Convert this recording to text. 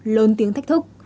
lớn tiếng thách thức